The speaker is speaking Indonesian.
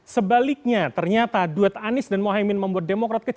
sebaliknya ternyata duet anies dan mohaimin membuat demokrat kecil